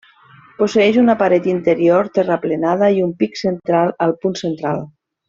Posseeix una paret interior terraplenada i un pic central al punt central.